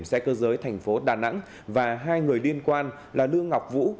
xe cơ giới thành phố đà nẵng và hai người liên quan là lương ngọc vũ